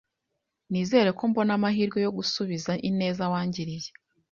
Nizere ko mbona amahirwe yo gusubiza ineza wangiriye.